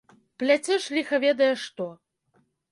Пляцеш ліха ведае што.